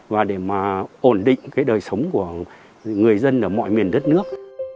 và để ổn định đời sống của người dân ở mọi miền đất nước